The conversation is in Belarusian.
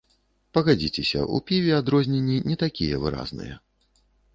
Пагадзіцеся, у піве адрозненні не такія выразныя.